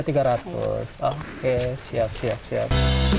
bisa tiga ratus oke siap siap siap